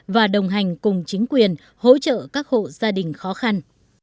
và đồng hành cùng chính quyền hỗ trợ các hộ gia đình khó khăn